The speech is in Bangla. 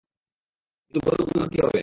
কিন্তু গরুগুলোর কী হবে?